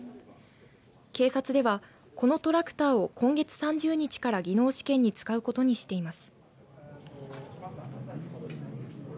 警察では、このトラクターを今月３０日から技能試験に使うことにしています。